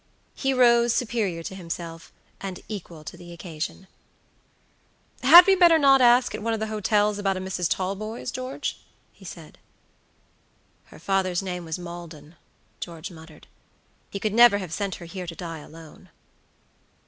He rose superior to himself, and equal to the occasion. "Had we not better ask at one of the hotels about a Mrs. Talboys, George?" he said. "Her father's name was Maldon," George muttered; "he could never have sent her here to die alone."